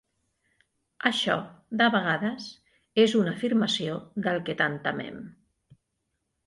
Això, de vegades, és una afirmació del que tant temem.